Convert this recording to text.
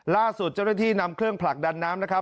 ล่าสุดเจ้าหน้าที่นำเครื่องผลักดันน้ำนะครับ